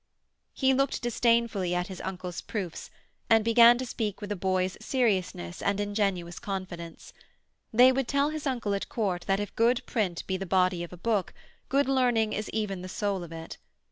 He looked disdainfully at his uncle's proofs, and began to speak with a boy's seriousness and ingenuous confidence. They would tell his uncle at Court that if good print be the body of a book, good learning is even the soul of it.